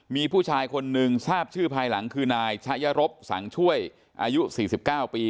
มีผู้ชายคนหนึ่งทราบชื่อภายหลังคือนายชะยรบสังช่วยอายุ๔๙ปี